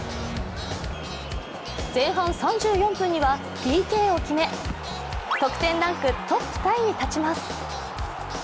前半３４分にはＰＫを決め得点ランクトップタイに立ちます。